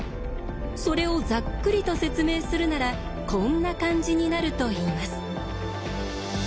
それをざっくりと説明するならこんな感じになるといいます。